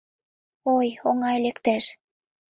Ой, оҥай лектеш!